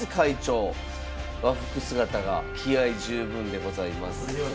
和服姿が気合い十分でございます。